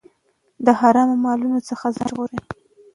د حرامو مالونو څخه ځان وژغورئ.